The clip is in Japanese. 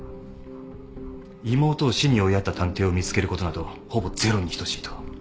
妹を死に追いやった探偵を見つけることなどほぼゼロに等しいと。